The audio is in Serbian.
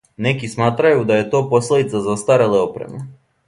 Неки сматрају да је то последица застареле опреме.